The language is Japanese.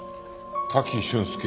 滝俊介